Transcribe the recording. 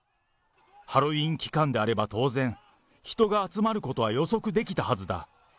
ハロウィーン期間であれば当然、人が集まることは予測できたはずだ。